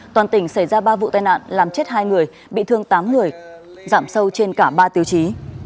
toàn tỉnh xảy ra ba vụ tai nạn làm chết hai người bị thương tám người giảm sâu trên cả ba tiêu chí